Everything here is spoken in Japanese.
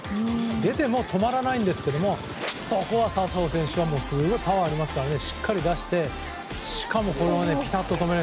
出ても止まらないんですけどそこを笹生選手はパワーありますからしっかり出してしかもピタッと止める。